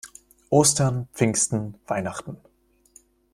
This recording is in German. Ostern, Pfingsten, Weihnachten.